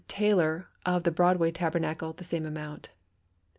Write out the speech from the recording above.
Taylor of the Broadway Tabernacle the same amount.